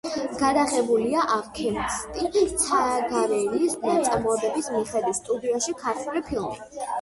გადაღებულია ავქსენტი ცაგარელის ნაწარმოებების მიხედვით, სტუდიაში ქართული ფილმი.